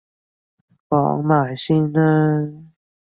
講埋先啦